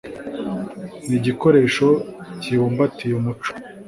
ni igikoresho kibumbatiye umuco